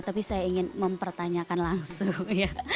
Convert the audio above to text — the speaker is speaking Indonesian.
tapi saya ingin mempertanyakan langsung ya